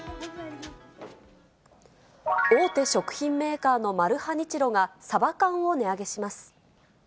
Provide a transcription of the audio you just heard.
大手食品メーカーのマルハニチロが、サバ缶を値上げします。